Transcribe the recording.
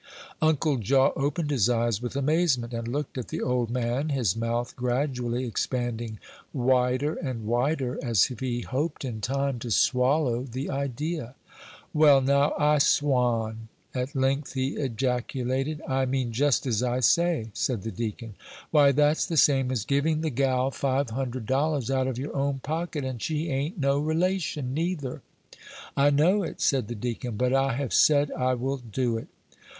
Uncle Jaw opened his eyes with amazement, and looked at the old man, his mouth gradually expanding wider and wider, as if he hoped, in time, to swallow the idea. "Well, now, I swan!" at length he ejaculated. "I mean just as I say," said the deacon. "Why, that's the same as giving the gal five hundred dollars out of your own pocket, and she ain't no relation neither." "I know it," said the deacon; "but I have said I will do it."